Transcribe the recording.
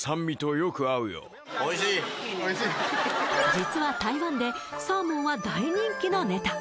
実は台湾でサーモンは大人気のネタ